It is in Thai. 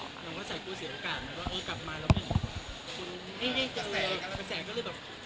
หนูก็ใส่กู้เสียโอกาสว่ากลับมาแล้วมึง